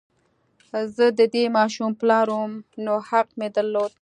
زه د دې ماشوم پلار وم نو حق مې درلود